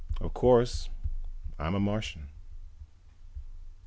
Of course, I'm a Martian.